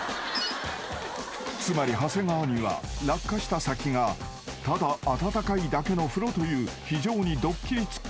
［つまり長谷川には落下した先がただ温かいだけの風呂という非常に］